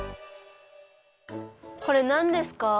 これなんですか？